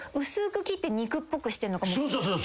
そうそうそう！